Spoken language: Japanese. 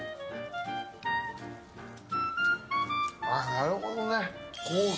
なるほどね。